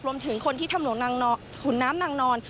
รวมถึงคนที่ทำหลวงขุนน้ำนางนอน